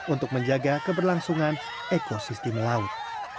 untuk menjaga keberlangsungan ekosistem laut